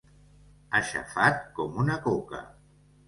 Aixafat com una coca.